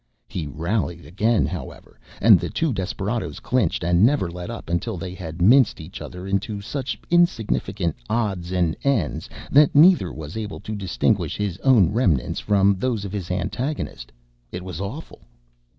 He rallied again, however, and the two desperadoes clinched and never let up until they had minced each other into such insignificant odds and ends that neither was able to distinguish his own remnants from those of his antagonist. It was awful.